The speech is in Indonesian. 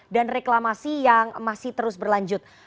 dan reklamasi yang masih terus berlanjut